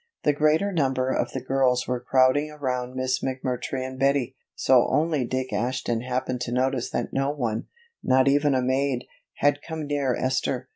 The greater number of the girls were crowding around Miss McMurtry and Betty, so only Dick Ashton happened to notice that no one, not even a maid, had come near Esther.